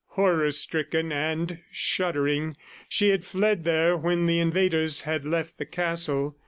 Horror stricken and shuddering, she had fled there when the invaders had left the castle.